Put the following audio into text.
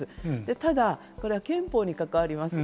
ただこれは憲法に関わります。